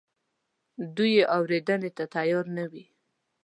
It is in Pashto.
دوی یې اورېدنې ته تیار نه وي.